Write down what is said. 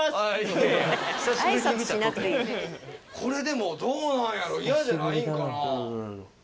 これでもどうなんやろ？